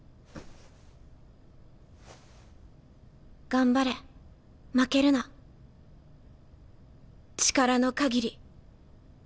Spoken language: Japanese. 頑張れ負けるな力のかぎり。